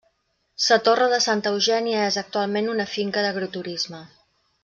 Sa Torre de Santa Eugènia és actualment una finca d'agroturisme.